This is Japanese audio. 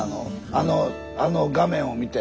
あの画面を見て。